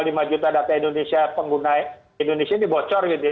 lima juta data indonesia pengguna indonesia ini bocor gitu ya